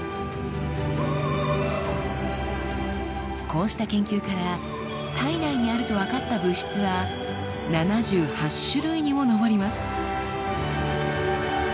こうした研究から体内にあると分かった物質は７８種類にも上ります。